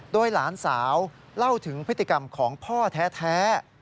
โดยหลานสาวเล่าถึงพฤติกรรมของพ่อแท้